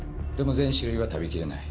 全種類は食べ切れない。